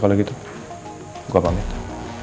kalau begitu saya mengambil alih